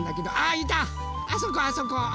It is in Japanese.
あそこあそこ！